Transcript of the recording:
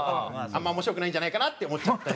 あんま面白くないんじゃないかなって思っちゃって。